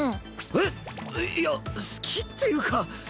えっ⁉いいや好きっていうか。